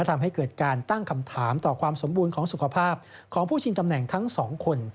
ทำให้เกิดการตั้งคำถามต่อความสมบูรณ์ของสุขภาพของผู้ชิงตำแหน่งทั้งสองคน